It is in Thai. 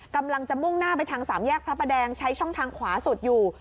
กำลังจะมุ่งหน้าไปทางสามแยกพระประแดงใช้ช่องทางขวาสุดอยู่